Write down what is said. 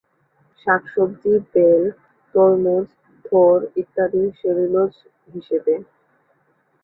শাক-সবজি, বেল, তরমুজ, থোড় ইত্যাদিতে সেলুলোজ হিসেবে।